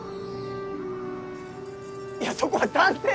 いやそこは「賛成！」